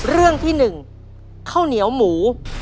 เรื่องที่๑ข้าวเหนียวหมู